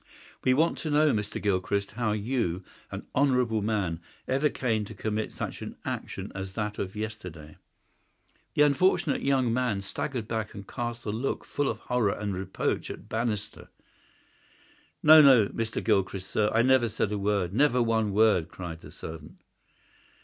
We want to know, Mr. Gilchrist, how you, an honourable man, ever came to commit such an action as that of yesterday?" The unfortunate young man staggered back and cast a look full of horror and reproach at Bannister. "No, no, Mr. Gilchrist, sir; I never said a word—never one word!" cried the servant.